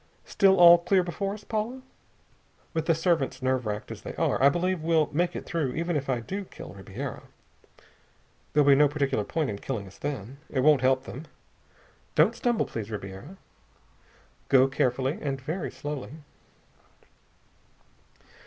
Still all clear before us, Paula? With the servants nerve racked as they are, I believe we'll make it through, even if I do kill Ribiera. There'll be no particular point in killing us then. It won't help them. Don't stumble, please, Ribiera.... Go carefully, and very slowly...."